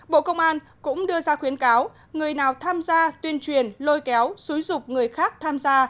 bộ công an cũng đưa ra khuyến cáo người nào tham gia tuyên truyền lôi kéo xúi dục người khác tham gia